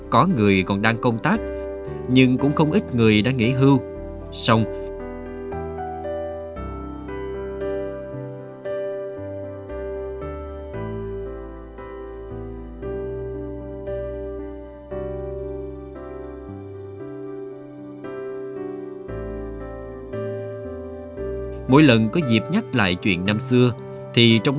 có người còn đang công tác nhưng cũng không ít người đã nghỉ hưu xong